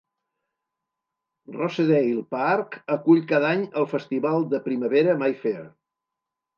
Rosedale Park acull cada any el festival de primavera Mayfair.